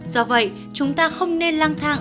do vậy chúng ta không nên lang thang